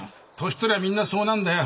年取りゃみんなそうなるんだよ。